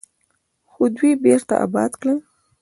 خو دوی بیرته اباد کړل.